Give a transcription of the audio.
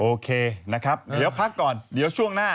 โอเคนะครับเดี๋ยวพักก่อนเดี๋ยวช่วงหน้า